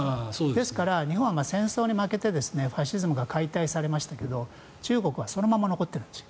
ですから、日本は戦争に負けてファシズムが解体されましたけど中国はそのまま残ってるんです。